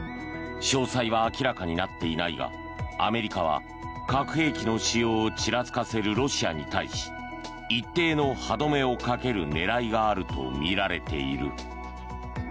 詳細は明らかになっていないがアメリカは核兵器の使用をちらつかせるロシアに対し一定の歯止めをかける狙いがあるとみられている。